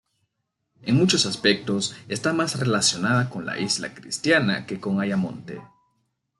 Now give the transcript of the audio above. En muchos aspectos, está más relacionada con Isla Cristina que con Ayamonte.